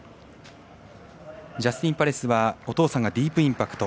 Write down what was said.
ジャスティンパレスはお父さんがディープインパクト。